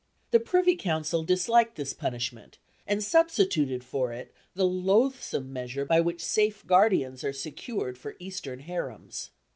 The Privy Council "disliked" this punishment, and substituted for it the loathsome measure by which safe guardians are secured for Eastern harems.